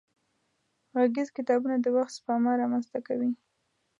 غږيز کتابونه د وخت سپما را منځ ته کوي.